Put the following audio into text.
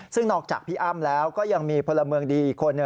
ซึ่งนอกจากพี่อ้ำแล้วก็ยังมีพลเมืองดีคน